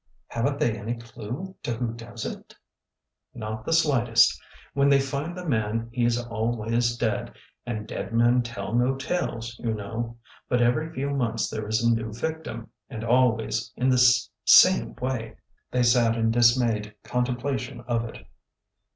" Have n't they any clue to who does it ?"" Not the slightest. When they find the man he is al ways dead, and ' dead men tell no tales,' you know. But every few months there is a new victim— and always in this same way." They sat in dismayed contemplation of it.